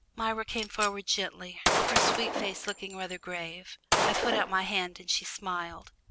] Myra came forward gently, her sweet face looking rather grave. I put out my hand, and she smiled.